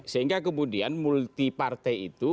sehingga kemudian multi partai itu